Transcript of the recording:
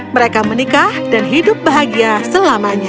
mereka menikah dan hidup bahagia selamanya